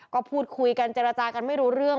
ก็พูดคุยกันเจรจากันไม่รู้เรื่อง